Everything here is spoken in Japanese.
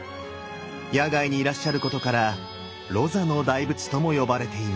野外にいらっしゃることから「露坐の大仏」とも呼ばれています。